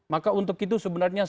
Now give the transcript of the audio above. maka untuk itu sebenarnya